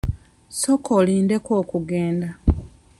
Sooka olindeko okugenda.